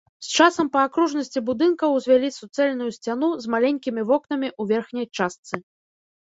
З часам па акружнасці будынка ўзвялі суцэльную сцяну з маленькімі вокнамі ў верхняй частцы.